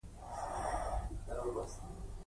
د بکټریاوو تکثر چټک دی.